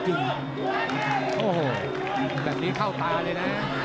โอ้โหแบบนี้เข้าตาเลยนะ